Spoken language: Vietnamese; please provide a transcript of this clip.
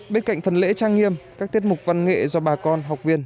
bên cạnh phần lễ trang nghiêm các tiết mục văn nghệ do bà con học viên